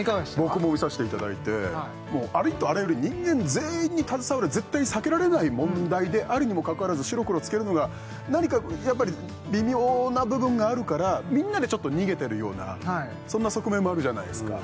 僕も見させていただいてもうありとあらゆる人間全員に携わる絶対避けられない問題であるにもかかわらず白黒つけるのが何かやっぱり微妙な部分があるからみんなでちょっと逃げてるようなそんな側面もあるじゃないですか